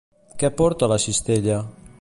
Què porta a la cistella?